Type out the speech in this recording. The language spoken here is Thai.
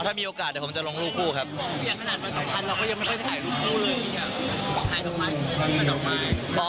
ถ้ามีโอกาสเดี๋ยวผมจะลงรูปคู่ครับ